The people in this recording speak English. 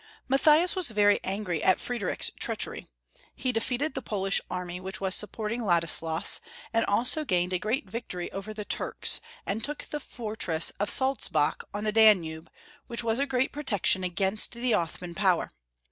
Matthias was very angry at Friedrich's treachery. He defeated the Polish army which was support ing Ladislas, and also gained a great victory over the Turks, and took the fortress of Saltzbach on the Danube, which was a great protection against the Othman power.